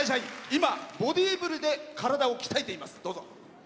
今、ボディービルで体を鍛えています。